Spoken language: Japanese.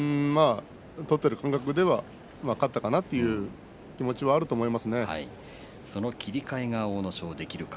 取っている感覚では勝ったかなというその切り替えが阿武咲できるか。